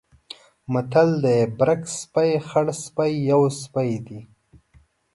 متل دی: برګ سپی، خړسپی یو سپی دی.